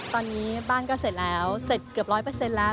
ตอนนี้บ้านก็เสร็จแล้วเสร็จเกือบ๑๐๐แล้ว